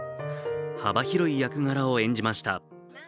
幅広い役柄を演じました。